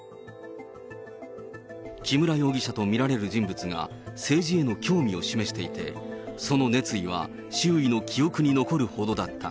木村容疑者と見られる人物が政治への興味を示していて、その熱意は周囲の記憶に残るほどだった。